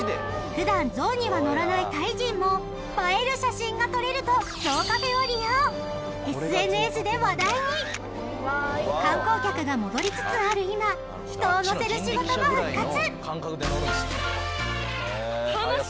普段ゾウには乗らないタイ人も映える写真が撮れるとゾウカフェを利用観光客が戻りつつある今人を乗せる仕事が復活